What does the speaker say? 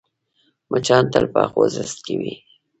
مچان تل په خوځښت کې وي